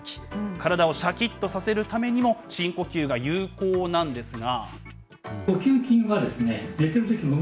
体をしゃきっとさせるためにも深呼吸が有効なんですが。